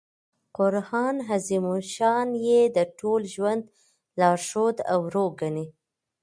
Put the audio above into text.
قران عظیم الشان ئې د ټول ژوند لارښود او روح ګڼي.